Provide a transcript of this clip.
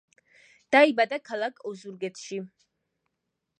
დაიბადა ქალაქ ოზურგეთში.